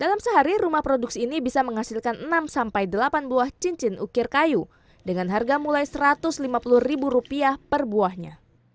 dalam sehari rumah produksi ini bisa menghasilkan enam sampai delapan buah cincin ukir kayu dengan harga mulai rp satu ratus lima puluh ribu rupiah per buahnya